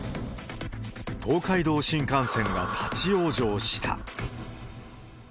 東海道新幹線が立ち往生した。